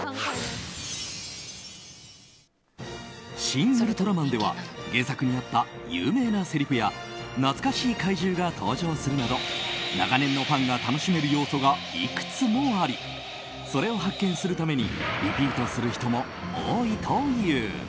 「シン・ウルトラマン」では原作にあった有名なせりふや懐かしい怪獣が登場するなど長年のファンが楽しめる要素がいくつもありそれを発見するためにリピートする人も多いという。